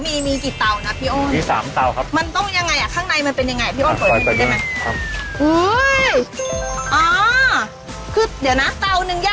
มีกี่เตานะพี่โอ้ย